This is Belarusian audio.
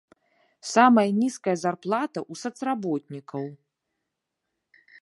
Самая нізкая зарплата ў сацработнікаў.